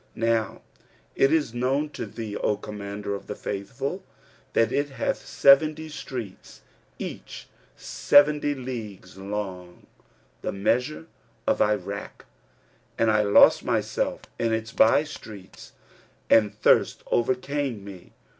Now it is known to thee, O Commander of the Faithful, that it hath seventy streets, each seventy leagues[FN#328] long, the measure of Irak; and I lost myself in its by streets and thirst overcame me.